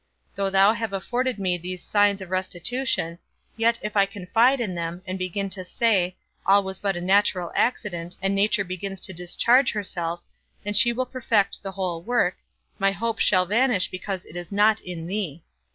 Though thou have afforded me these signs of restitution, yet if I confide in them, and begin to say, all was but a natural accident, and nature begins to discharge herself, and she will perfect the whole work, my hope shall vanish because it is not in thee.